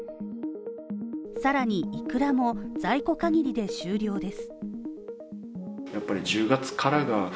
さらに、イクラも在庫限りで終了です